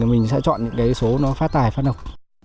mình sẽ chọn những cái số nó phát tài phát độc